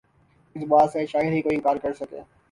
اس بات سے شاید ہی کوئی انکار کرسکے